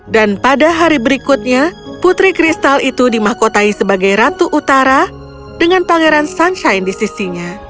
dan pada hari berikutnya putri kristal itu dimahkotai sebagai ratu utara dengan pangeran sunshine di sisinya